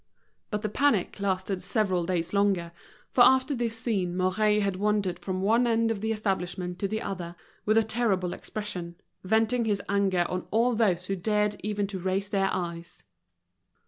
But the panic lasted several days longer, for after this scene Mouret had wandered from one end of the establishment to the other, with a terrible expression, venting his anger on all those who dared even to raise their eyes.